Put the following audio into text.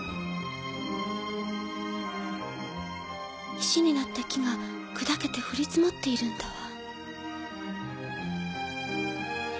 石になった木が砕けて降り積もっているんだわ。